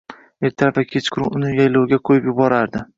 Ertalab va kechqurun uni yaylovga qoʻyib yuborardi.